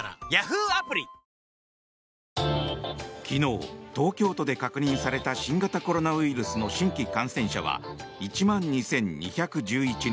昨日、東京都で確認された新型コロナウイルスの新規感染者は１万２２１１人。